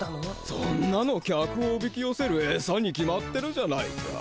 そんなの客をおびきよせるえさに決まってるじゃないか。